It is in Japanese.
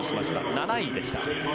７位でした。